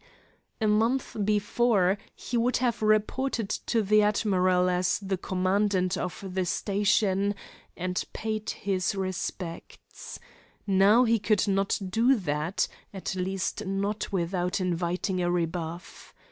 A month before, he would have reported to the admiral as the commandant of the station, and paid his respects. Now he could not do that; at least not without inviting a rebuff.